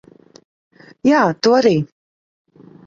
Jā, tu arī.